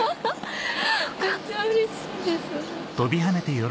めっちゃうれしいです。